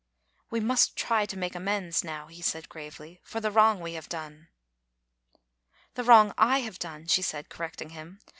"We must try to make amends now," he said gravely, "for the wrong we have done." " The wrong I have done, " she said, correcting him.